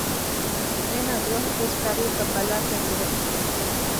އޭނާ ދުވަހަކު ވެސް ތަރިއަކަށް ބަލާފައެއް ނުވެ